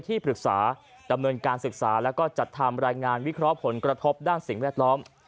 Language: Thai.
ที่ปรึกษาดำเนินการศึกษาแล้วก็จัดทำรายงานวิเคราะห์ผลกระทบด้านสิ่งแวดล้อม